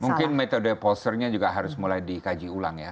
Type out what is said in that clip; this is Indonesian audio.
mungkin metode polsternya juga harus mulai dikaji ulang ya